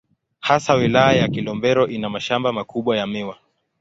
Hasa Wilaya ya Kilombero ina mashamba makubwa ya miwa.